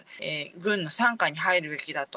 軍の傘下に入るべきだと。